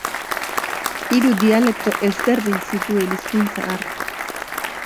Hiru dialekto ezberdin zituen hizkuntza hark.